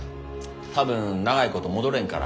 多分長いこと戻れんから。